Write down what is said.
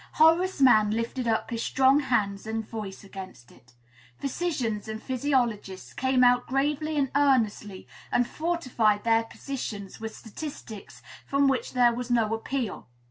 Horace Mann lifted up his strong hands and voice against it; physicians and physiologists came out gravely and earnestly, and fortified their positions with statistics from which there was no appeal.